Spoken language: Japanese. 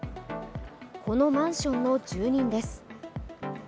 このマンションの住人です。